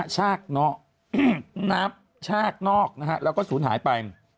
ชาตินอกนับชาตินอกแล้วก็ศูนย์หายไป